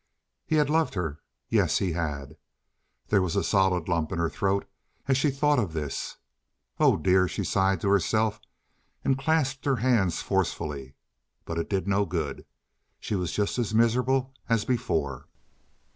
He had loved her. Yes, he had! There was a solid lump in her throat as she thought of this. Oh, dear! She sighed to herself, and clasped her hands forcefully; but it did no good. She was just as miserable as before.